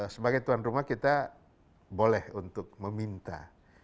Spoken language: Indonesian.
sebagai tuan rumah kita boleh untuk meminta